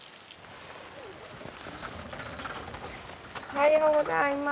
おはようございます。